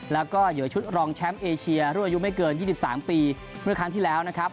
แล้วก็เหลือชุดรองแชมป์เอเชียรุ่นอายุไม่เกิน๒๓ปีเมื่อครั้งที่แล้วนะครับ